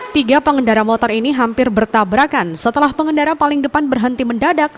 tiga pengendara motor ini hampir bertabrakan setelah pengendara paling depan berhenti mendadak